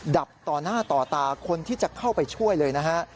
ดับต่อหน้าต่อตาคนที่จะเข้าไปช่วยเลยนะฮะ